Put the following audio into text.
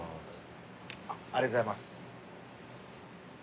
ありがとうございます。